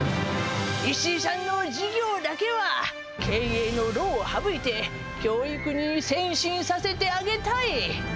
石井さんの事業だけは経営の労を省いて教育に専心させてあげたい。